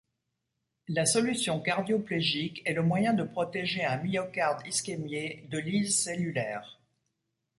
La solution cardioplégique est le moyen de protéger un myocarde ischémié de lyses cellulaires.